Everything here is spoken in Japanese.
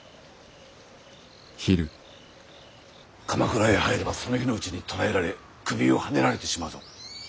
鎌倉へ入ればその日のうちに捕らえられ首をはねられてしまうぞ。